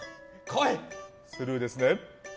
スルーですね？